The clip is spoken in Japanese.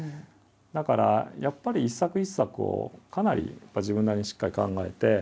だからやっぱり一作一作をかなり自分なりにしっかり考えて。